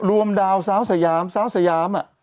รวมดาวสาวสยามสาวสยามอ่ะ